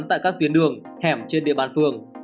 tại các tuyến đường hẻm trên địa bàn phường